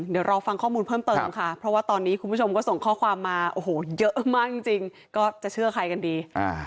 เดี๋ยวรอฟังข้อมูลเพิ่มเติมค่ะเพราะว่าตอนนี้คุณผู้ชมก็ส่งข้อความมาโอ้โหเยอะมากจริงก็จะเชื่อใครกันดี